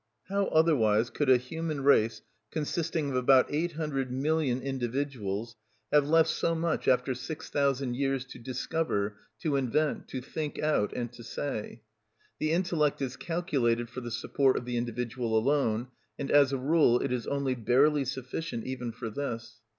How otherwise could a human race consisting of about eight hundred million individuals have left so much after six thousand years to discover, to invent, to think out, and to say? The intellect is calculated for the support of the individual alone, and as a rule it is only barely sufficient even for this.